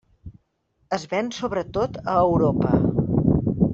Es ven sobretot a Europa.